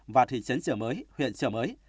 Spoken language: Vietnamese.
và thị trấn triều mới huyện triều mới